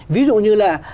ví dụ như là